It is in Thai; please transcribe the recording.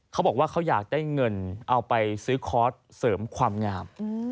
เขาบอกว่าเขาอยากได้เงินเอาไปซื้อคอร์สเสริมความงาม